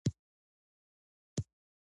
هغوی له ډېر وخت راهیسې دلته پاتې دي.